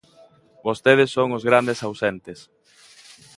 Vostedes son os grandes ausentes.